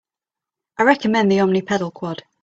I recommend the Omni pedal Quad.